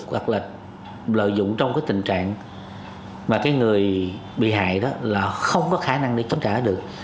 hoặc là lợi dụng trong cái tình trạng mà cái người bị hại đó là không có khả năng để chống trả được